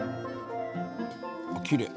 あっきれい。